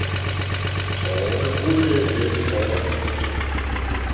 Tårerne rullede ned over hendes kinder